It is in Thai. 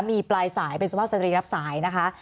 มีปลายสายเป็นสุภาพสตรีรับสายนะคะ